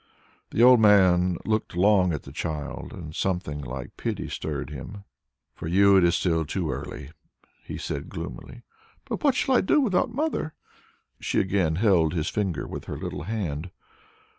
The old man looked long at the child, and something like pity stirred him. "For you it is still too early," he said gloomily. "But what shall I do without mother?" She again held his finger with her little hand.